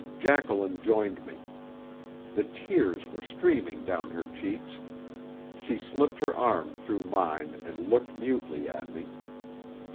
Jacqueline joined me. The tears were streaming down her cheeks; she slipped her arm through mine and looked mutely at me.